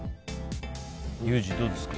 ユージ、どうですか？